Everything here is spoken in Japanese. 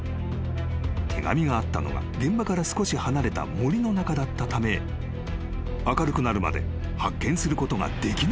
［手紙があったのは現場から少し離れた森の中だったため明るくなるまで発見することができなかったのだ］